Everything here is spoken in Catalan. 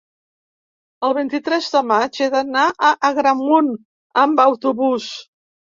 el vint-i-tres de maig he d'anar a Agramunt amb autobús.